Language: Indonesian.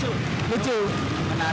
enggak stres seperjalanan